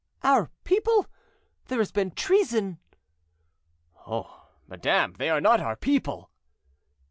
"Our people! There has been treason." "Oh! madame; they are not our people."